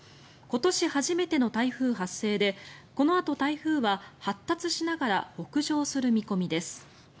今年初めての台風発生でこのあと台風は発達しながら北上する見込みです。